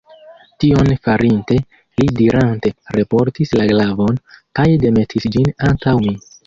Tion farinte, li ridante reportis la glavon, kaj demetis ĝin antaŭ mi.